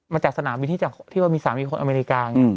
มาจากสนามีที่ตามีที่มี๓อย่างอเมลิกา